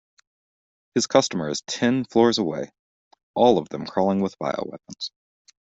His customer is ten floors away, all of them crawling with bioweapons.